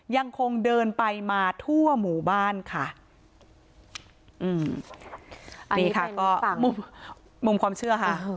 ยังคงเดินไปมาทั่วหมู่บ้านค่ะอืมนี่ค่ะก็ฝากมุมมุมความเชื่อค่ะ